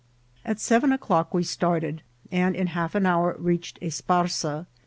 At seven o'clock we started, and in half an hour reached Esparza.